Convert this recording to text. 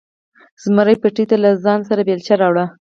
زمري پټي ته له ځانه سره بیلچه راوړه.